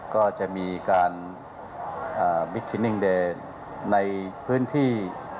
ก็จะมีการบิ๊กทินิ่งเดย์ในพื้นที่